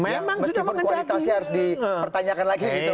yang meskipun kualitasnya harus dipertanyakan lagi gitu pak